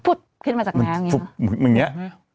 ผุดขึ้นมาจากน้ำอย่างเงี้ย